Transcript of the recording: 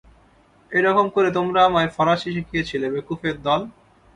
এইরকম করে তোমরা আমায় ফরাসী শিখিয়েছিলে, বেকুফের দল।